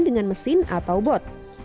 dengan mesin atau bot